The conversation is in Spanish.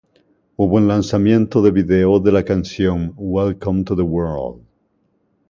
Hubo un lanzamiento de vídeo de la canción "Welcome to the World.